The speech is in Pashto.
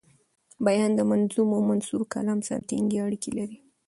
بیان د منظوم او منثور کلام سره ټینګي اړیکي لري.